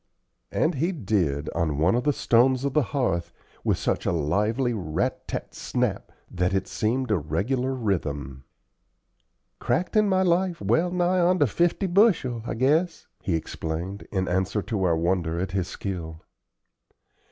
And he did, on one of the stones of the hearth, with such a lively rat tat snap! that it seemed a regular rhythm. "Cracked in my life well nigh on to fifty bushel, I guess," he explained, in answer to our wonder at his skill.